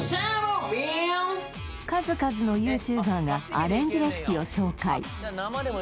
数々のＹｏｕＴｕｂｅｒがアレンジレシピを紹介